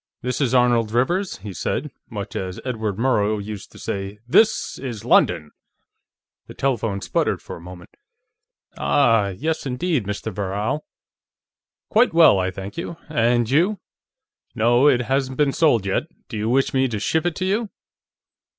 "This is Arnold Rivers," he said, much as Edward Murrow used to say, This is London! The telephone sputtered for a moment. "Ah, yes indeed, Mr. Verral. Quite well, I thank you. And you?... No, it hasn't been sold yet. Do you wish me to ship it to you?...